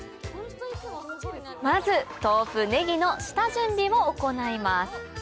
まず豆腐ねぎの下準備を行います